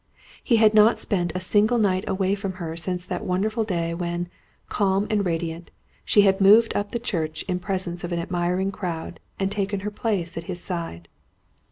He had not spent a single night away from her since that wonderful day when, calm and radiant, she had moved up the church in presence of an admiring crowd, and taken her place at his side.